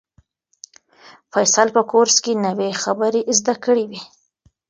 فیصل په کورس کې نوې خبرې زده کړې وې.